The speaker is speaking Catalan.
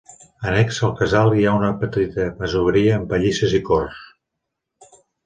Annexa al casal hi ha una petita masoveria amb pallisses i corts.